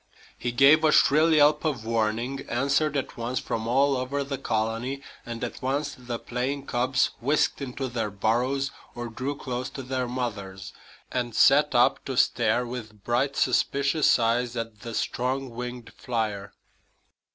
He gave a shrill yelp of warning, answered at once from all over the colony; and at once the playing cubs whisked into their burrows or drew close to their mothers, and sat up to stare with bright, suspicious eyes at the strong winged flier.